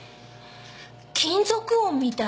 金属音みたい。